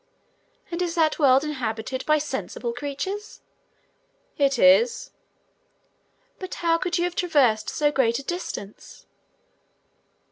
"And is that world inhabited by sensible creatures?" "It is." "But how could you have traversed so great a distance?"